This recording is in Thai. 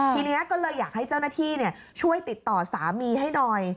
ทีนี้ก็เลยอยากให้เจ้าหน้าที่ช่วยติดต่อสามีให้หน่อย